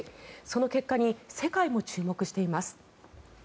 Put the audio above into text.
その結果に世界も注目しています。